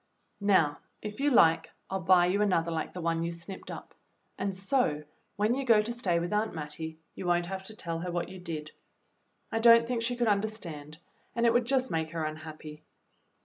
Now, if you like, I'll buy you another hke the one you snipped up, and so, when you go to stay with Aunt Mattie, you won't have to tell her what you did. I don't think she could understand, and it would just make her unhappy.